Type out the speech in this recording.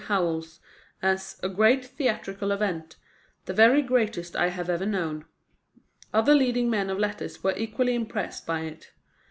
Howells as "a great theatrical event the very greatest I have ever known." Other leading men of letters were equally impressed by it.